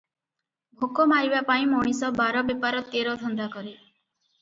ଭୋକ ମାରିବା ପାଇଁ ମଣିଷ ବାର ବେପାର ତେର ଧନ୍ଦା କରେ ।